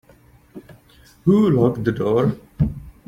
Who locked the door?